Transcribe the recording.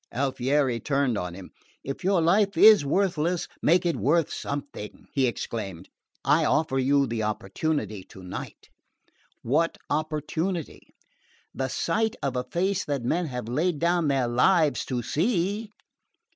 Alfieri turned on him. "If your life is worthless; make it worth something!" he exclaimed. "I offer you the opportunity tonight." "What opportunity?" "The sight of a face that men have laid down their lives to see."